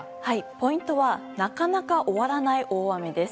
ポイントはなかなか終わらない大雨です。